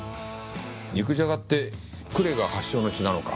肉じゃがって呉が発祥の地なのか？